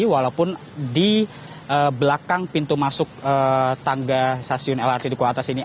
walaupun di belakang pintu masuk tangga stasiun lrt duku atas ini